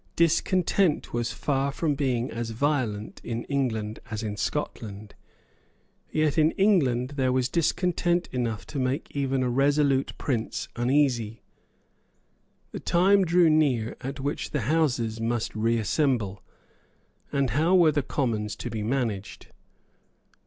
Discontent was far from being as violent in England as in Scotland. Yet in England there was discontent enough to make even a resolute prince uneasy. The time drew near at which the Houses must reassemble; and how were the Commons to be managed?